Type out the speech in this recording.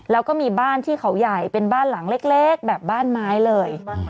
แล้วก็มีบ้านที่เขาใหญ่เป็นบ้านหลังเล็กแบบบ้านไม้เลย